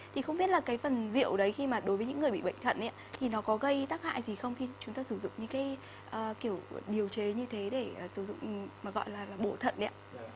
thì không biết là cái phần rượu đấy khi mà đối với những người bị bệnh thận thì nó có gây tắc hại gì không khi chúng ta sử dụng những cái kiểu điều chế như thế để sử dụng mà gọi là bộ thận đấy ạ